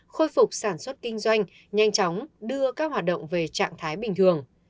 khôi phục sản xuất kinh doanh nhanh chóng đưa các hoạt động về trạng thái bình thường